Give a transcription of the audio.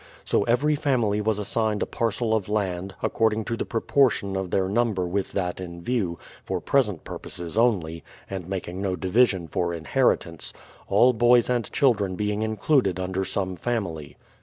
So every family was assigned a parcel of land, according to the proportion of their number with that in view, — for present purposes only, and making no division for inheritance, — all boys and children being in cluded under some family.